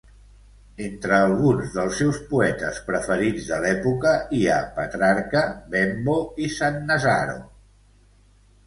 Entre alguns dels seus poetes preferits de l'època hi ha Petrarca, Bembo i Sannazaro.